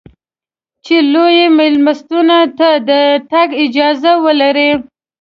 چې لویو مېلمستونو ته د تګ اجازه ولرې.